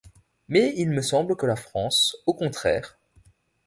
Mais il me semble que la France, au contraire…